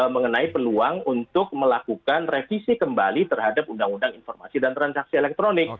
mengenai peluang untuk melakukan revisi kembali terhadap undang undang informasi dan transaksi elektronik